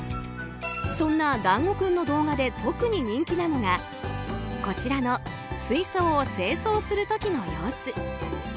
そんな、だんご君の動画で特に人気なのがこちらの水槽を清掃する時の様子。